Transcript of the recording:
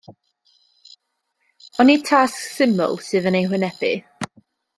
Ond nid tasg syml sydd yn eu hwynebu.